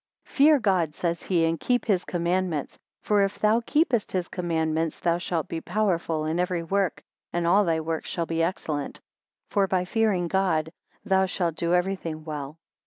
FEAR God, says he, and keep his commandments. For if thou keepest his commandments thou shalt be powerful in every work, and all thy works shall be excellent. For by fearing God, thou shalt do everything well.